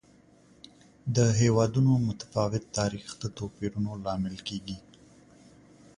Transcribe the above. د هېوادونو متفاوت تاریخ د توپیرونو لامل کېږي.